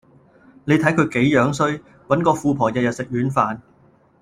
你睇佢幾樣衰，搵個富婆日日食軟飯